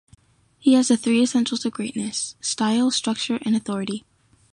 He has the three essentials of greatness: style, structure, and authority.